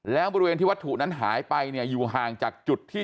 แล้วบริเวณที่วัตถุนั้นหายไปเนี่ยอยู่ห่างจากจุดที่